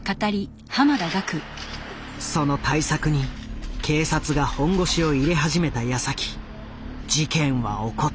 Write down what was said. その対策に警察が本腰を入れ始めたやさき事件は起こった。